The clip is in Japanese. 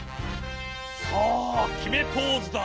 さあきめポーズだ。